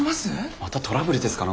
またトラブルですかね